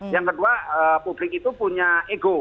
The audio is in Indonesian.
yang kedua publik itu punya ego